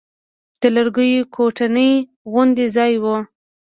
د لرګيو کوټنۍ غوندې ځاى و.